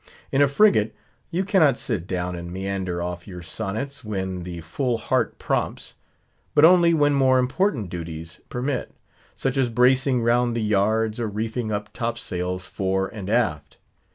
In a frigate, you cannot sit down and meander off your sonnets, when the full heart prompts; but only, when more important duties permit: such as bracing round the yards, or reefing top sails fore and aft.